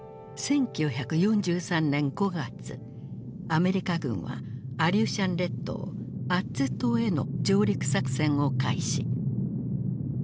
アメリカ軍はアリューシャン列島アッツ島への上陸作戦を開始。